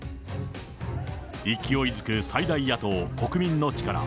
勢いづく最大野党・国民の力。